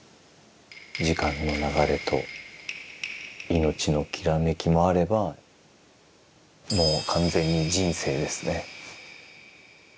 時間の流れと命のきらめきもあればもう完全に人生ですね。